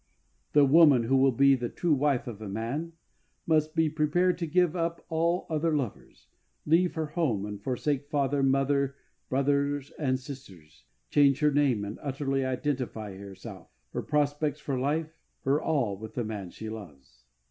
The w^oman who wfill be the true wife of a man must be prepared to give up all other lovers, leave her home, and forsake father, mother, brothers and sisters, change her name, and utterly identify herself, her prospects for life, her all, wTth the man she loves.